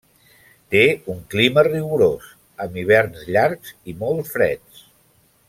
Té un clima rigorós, amb hiverns llargs i molt freds.